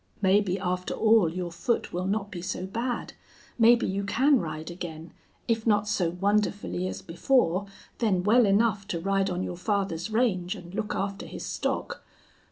Maybe, after all, your foot will not be so bad. Maybe you can ride again, if not so wonderfully as before, then well enough to ride on your father's range and look after his stock.